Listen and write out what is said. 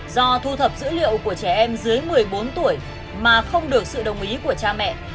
do thu thập dữ liệu của trẻ em dưới một mươi bốn tuổi mà không được sự đồng ý của cha mẹ